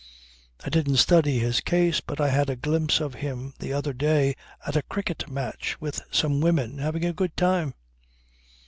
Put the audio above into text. I didn't study his case, but I had a glimpse of him the other day at a cricket match, with some women, having a good time.